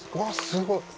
すごい